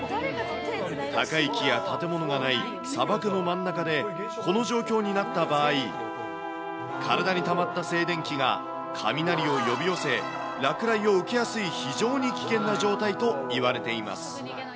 高い木や建物がない砂漠の真ん中でこの状況になった場合、体にたまった静電気が雷を呼び寄せ、落雷を受けやすい非常に危険な状態といわれています。